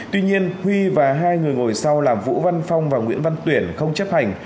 tuy nhiên huy và hai người ngồi sau là vũ văn phong và nguyễn văn tuyển không chấp hành